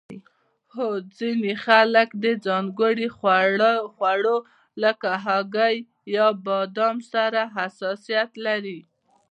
هو او ځینې خلک د ځانګړو خوړو لکه هګۍ یا بادام سره حساسیت لري